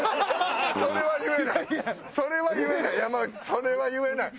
それは言えない。